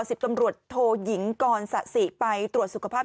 สิบตำรวจโทยิงกรสะสิไปตรวจสุขภาพ